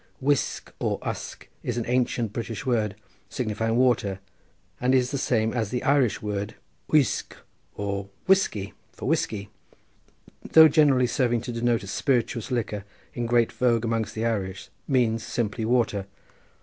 Wysg or Usk is an ancient British word, signifying water, and is the same as the Irish word uisge or whiskey, for whiskey, though generally serving to denote a spirituous liquor, in great vogue amongst the Irish, means simply water.